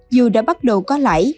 dù đã bắt đầu có lãi